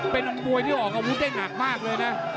เป็นมวยที่ออกอาวุธได้หนักมากเลยนะ